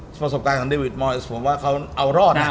ผสมตาควัฒนหาส่งไดวีดมอยสผมว่าเขาเอารอด